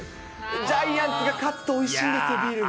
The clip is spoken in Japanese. ジャイアンツが勝つとおいしいんですよ、ビールが。